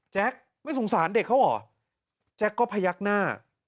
ไม่สงสารเด็กเขาเหรอแจ็คก็พยักหน้า